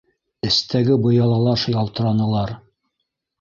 Эстәге быялалар ялтыранылар.